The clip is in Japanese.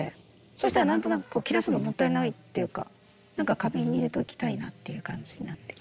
そうしたら何となく切らすのもったいないっていうか何か花瓶に入れときたいなっていう感じになって。